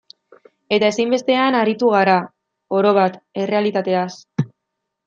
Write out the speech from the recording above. Eta ezinbestean aritu gara, orobat, errealitateaz.